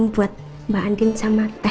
buat mbak andin sama teh